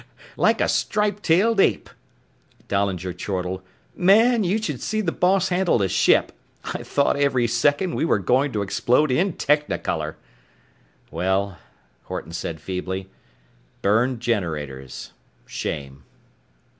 "Like a striped tailed ape," Dahlinger chortled. "Man, you should see the boss handle a ship. I thought every second we were going to explode in technicolor." "Well," Horton said feebly. "Burned generators. Shame."